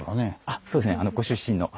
あそうですねご出身の。